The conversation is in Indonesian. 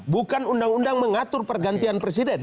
bukan undang undang mengatur pergantian presiden